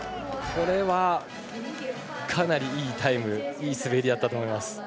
これはかなりいいタイム滑りだったと思います。